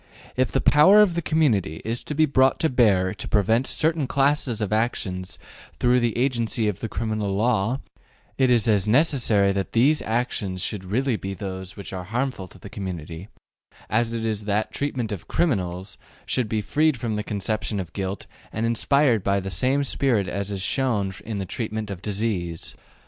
If the power of the community is to be brought to bear to prevent certain classes of actions through the agency of the criminal law, it is as necessary that these actions should really be those which are harmful to the community, as it is that the treatment of ``criminals'' should be freed from the conception of guilt and inspired by the same spirit as is shown in the treatment of disease.